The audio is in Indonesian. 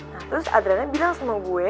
nah terus adrena bilang sama gue